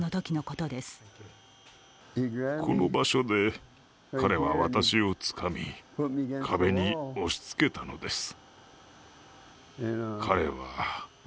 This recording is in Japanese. この場所で彼は私はつかみ、壁に押しつけたのです。